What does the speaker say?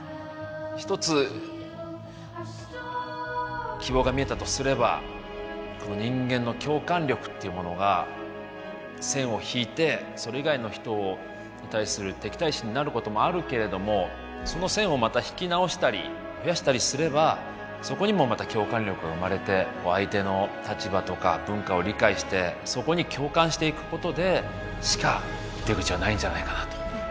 一つ希望が見えたとすればこの人間の共感力っていうものが線を引いてそれ以外の人に対する敵対心になることもあるけれどもその線をまた引き直したり増やしたりすればそこにもまた共感力が生まれて相手の立場とか文化を理解してそこに共感していくことでしか出口はないんじゃないかなと。